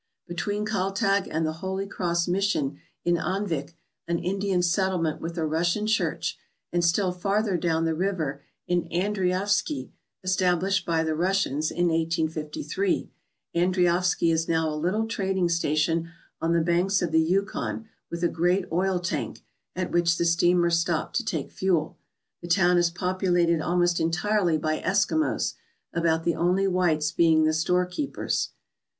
Between Kaltag and the Holy Cross Mission is Anvik, an Indian settlement with a Russian church, and still farther down the river is Andreafski, established by the Russians in 1853. Andreafski is now a little trading station on the banks of the Yukon with a great oil tank, at which the steamers stop to take fuel. The town is populated almost entirely by Eskimos, about the only whites being the storekeepers.